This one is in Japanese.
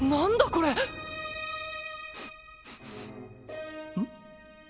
これうん？